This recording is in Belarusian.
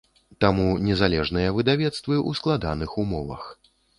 Таму незалежныя выдавецтвы ў складаных умовах.